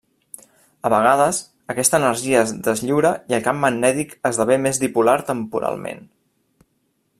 A vegades aquesta energia es deslliura i el camp magnètic esdevé més dipolar temporalment.